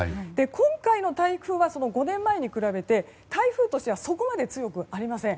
今回の台風は５年前に比べて台風としてはそこまで強くありません。